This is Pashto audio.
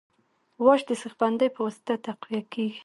واش د سیخ بندۍ په واسطه تقویه کیږي